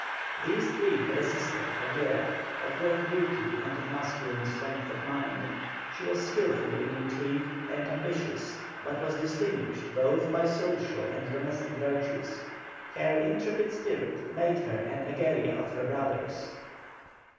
These three had a sister, Javiera, of great beauty and of masculine strength of mind; she was skilful in intrigue and ambitious, but was distinguished both by social and domestic virtues; her intrepid spirit made her the Egeria of her brothers.